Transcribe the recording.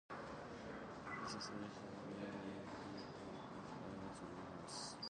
This established the name Edensor Park after Edensor House.